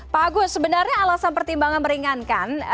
pak agus sebenarnya alasan pertimbangan meringankan